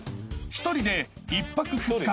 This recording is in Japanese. ［１人で１泊２日